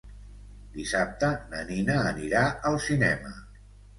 Dissabte na Nina anirà al cinema.